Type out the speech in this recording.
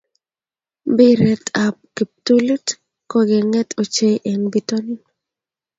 Mpiret ne bo kikapuit ko kenget ochei eng bitonin.